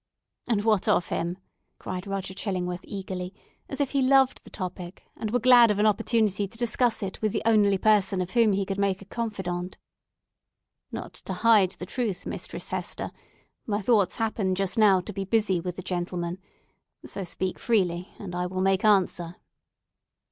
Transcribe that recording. "And what of him?" cried Roger Chillingworth, eagerly, as if he loved the topic, and were glad of an opportunity to discuss it with the only person of whom he could make a confidant. "Not to hide the truth, Mistress Hester, my thoughts happen just now to be busy with the gentleman. So speak freely and I will make answer."